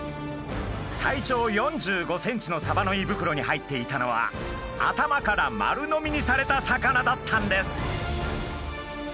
体長４５ｃｍのサバの胃袋に入っていたのは頭から丸飲みにされた魚だったんです。